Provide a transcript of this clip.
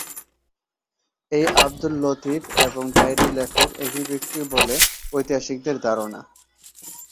এই আবদুল লতীফ এবং ডায়েরি লেখক একই ব্যক্তি বলে ঐতিহাসিকদের ধারণা।